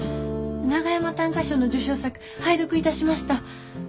長山短歌賞の受賞作拝読いたしました。